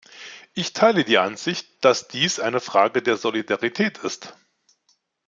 Ich teile die Ansicht, dass dies eine Frage der Solidarität ist.